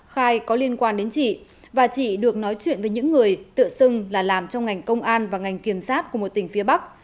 khai có liên quan đến chị và chị được nói chuyện với những người tự xưng là làm trong ngành công an và ngành kiểm sát của một tỉnh phía bắc